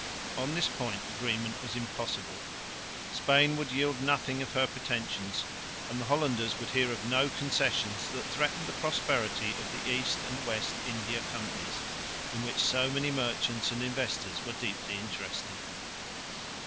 On this point agreement was impossible. Spain would yield nothing of her pretensions; and the Hollanders would hear of no concessions that threatened the prosperity of the East and West India Companies in which so many merchants and investors were deeply interested.